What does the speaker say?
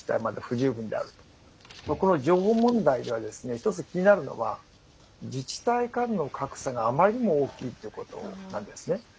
この情報問題で１つ気になるのは自治体間の格差があまりにも大きいということなんですね。